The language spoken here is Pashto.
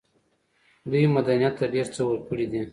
دوی مدنيت ته ډېر څه ورکړي دي.